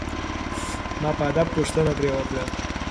ما په ادب پوښتنه ترې وکړه.